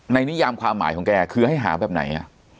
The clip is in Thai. นิยามความหมายของแกคือให้หาแบบไหน